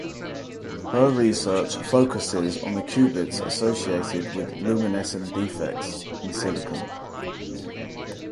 Her research focuses on the qubits associated with luminescent defects in silicon.